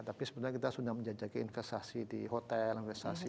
tapi sebenarnya kita sudah menjajaki investasi di hotel investasi